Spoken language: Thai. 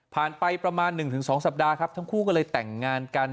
ไปประมาณ๑๒สัปดาห์ครับทั้งคู่ก็เลยแต่งงานกัน